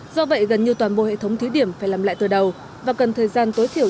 do vậy gần như toàn bộ hệ thống thí điểm phải làm lại từ đầu và cần thời gian tối thiểu